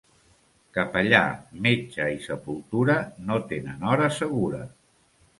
Capellà, metge i sepultura no tenen hora segura.